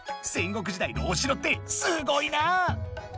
戦国時代のお城ってすごいな！